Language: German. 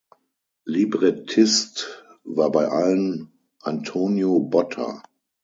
Librettist war bei allen Antonio Botta.